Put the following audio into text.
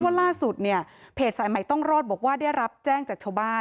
ล่าสุดเนี่ยเพจสายใหม่ต้องรอดบอกว่าได้รับแจ้งจากชาวบ้าน